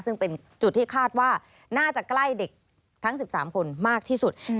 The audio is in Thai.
ซึ่งเป็นจุดที่คาดว่าน่าจะใกล้เด็กทั้ง๑๓คนมากที่สุด